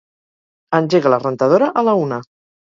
Engega la rentadora a la una.